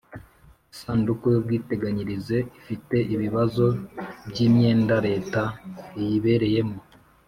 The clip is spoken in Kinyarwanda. lsanduku y'ubwiteganyirize ifite ibibazo by'imyenda leta iyibereyemo,